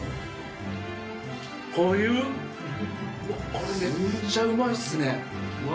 これめっちゃうまいっすね。